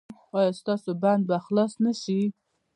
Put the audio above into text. ایا ستاسو بند به خلاص نه شي؟